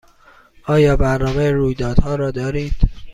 آیا برنامه رویدادها را دارید؟